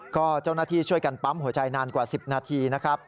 ก็เจ้าหน้าที่ช่วยกันปั๊มหัวใจนานกว่า๑๐นาทีนะครับ